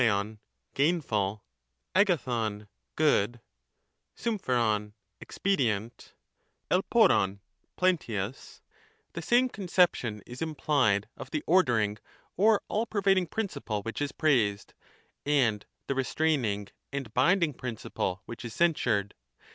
£0i' (gainful), dyadbv (good), CTUju^i'poi' (expedient), Evnopov (plenteous), the same con ception is implied of the ordering or all pervading principle which is praised, and the restraining and binding principle which ^T,Mt"i«r,s. is censured.